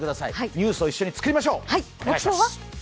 ニュースを一緒に作りましょう。